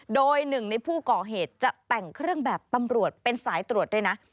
โดยหนึ่งในผู้ก่อเหตุจะแต่งเครื่องแบบตำรวจเป็นสายตรวจด้วยนะ